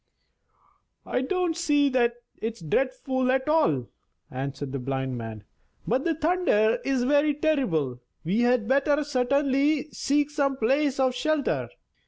"I don't see that it's dreadful at all," answered the blind Man; "but the thunder is very terrible; we had better certainly seek some place of shelter."